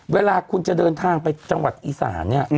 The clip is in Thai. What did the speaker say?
เวลาคุณจะเดินทางไปจังหวัดอีสานเนี่ย